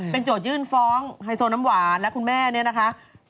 โจทยื่นฟ้องไฮโซน้ำหวานและคุณแม่เนี่ยนะคะ